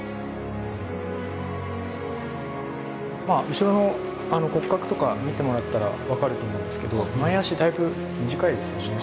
後ろの骨格とか見てもらったら分かると思うんですけどちっちゃいんですよ。